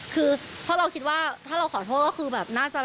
คือเพราะเราคิดว่าถ้าเราขอโทษก็คือแบบน่าจะ